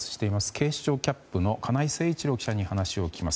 警視庁キャップの金井誠一郎記者に話を聞きます。